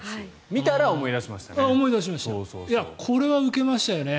見たら思い出しましたね。